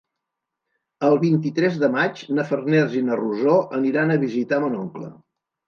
El vint-i-tres de maig na Farners i na Rosó aniran a visitar mon oncle.